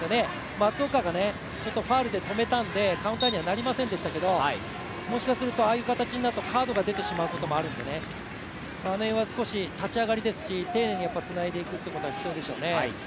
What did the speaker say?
松岡がファウルで止めたんで、カウンターにはなりませんでしたけど、もしかするとああいう形になるとカードが出てしまうかもしれないのであの辺は立ち上がりですし、丁寧につないでいくことは必要でしょうね。